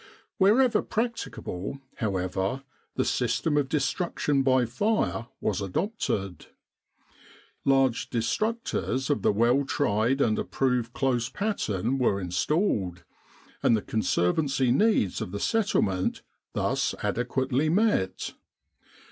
Wherever practicable, however, the system of destruction by fire was adopted. In the quasi permanent camps, large destructors of the well tried and approved close pattern were installed, and the conservancy needs of the settlement thus adequately met.